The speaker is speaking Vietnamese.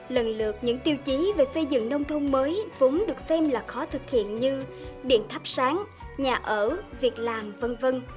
lần lượt những tiêu chí về xây dựng nông thôn mới vốn được xem là khó thực hiện như điện thắp sáng nhà ở việc làm v v